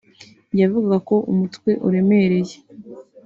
yavugaga ko umutwe uremereye